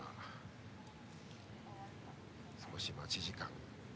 少し待ち時間が。